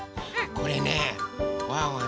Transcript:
これねワンワン